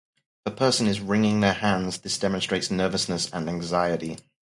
If a person is wringing their hands, this demonstrates nervousness and anxiety.